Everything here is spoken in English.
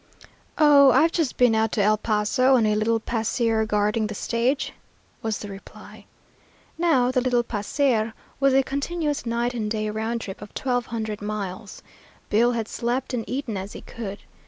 "Oh, I've just been out to El Paso on a little pasear guarding the stage," was the reply. Now the little pasear was a continuous night and day round trip of twelve hundred miles. Bill had slept and eaten as he could.